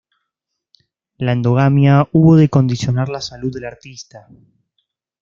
La endogamia hubo de condicionar la salud del artista.